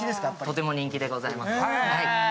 とても人気でございます。